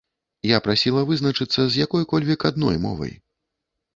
Я прасіла вызначыцца з якой-кольвек адной мовай.